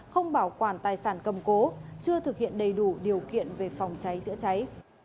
không bảo quản tài sản cầm cố chưa thực hiện đầy đủ điều kiện về phòng cháy chữa cháy